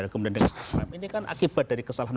kemudian dengan trump ini kan akibat dari kesalahan